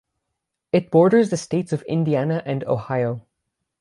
It borders the states of Indiana and Ohio.